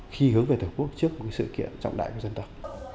khi hướng về tổ quốc trước một sự kiện trọng đại của dân tộc